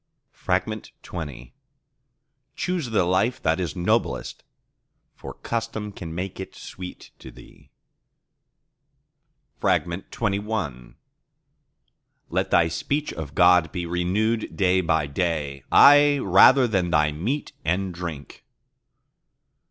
XX Choose the life that is noblest, for custom can make it sweet to thee. XXI Let thy speech of God be renewed day by day, aye, rather than thy meat and drink.